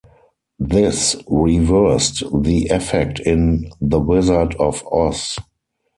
This reversed the effect in "The Wizard of Oz".